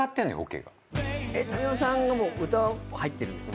民生さんの歌入ってるんですか？